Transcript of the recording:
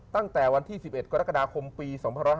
ตั้งแต่วันที่๑๑กรกฎาคมปี๒๕๖๒